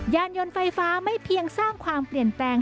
ยานยนต์ไฟฟ้าไม่เพียงสร้างความเปลี่ยนแปลง